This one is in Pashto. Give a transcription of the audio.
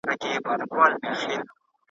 د ودې عمليه مخکې توضيح سوې وه.